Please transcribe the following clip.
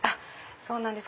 そうなんです。